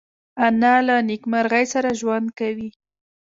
انا له نیکمرغۍ سره ژوند کوي